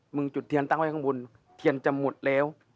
จุดเทียนตั้งไว้ข้างบนเทียนจะหมดแล้ว